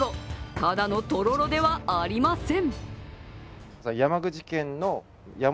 ただのとろろではありません。